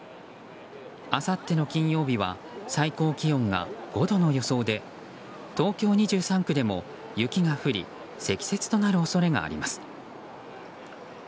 あさっての金曜日は最高気温が５度の予想で東京２３区でも雪が降り積雪となる恐れがあります。